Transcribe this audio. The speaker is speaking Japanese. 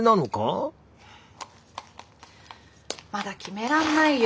まだ決めらんないよ